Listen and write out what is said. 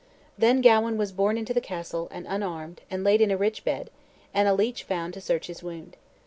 Then Gawain was borne into the castle, and unarmed, and laid in a rich bed, and a leech found to search his wound.